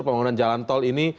pembangunan jalan tol ini